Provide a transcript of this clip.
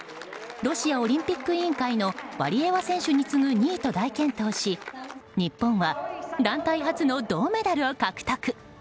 ロシアオリンピック委員会のワリエワ選手に次ぐ２位と大健闘し日本は団体初の銅メダルを獲得。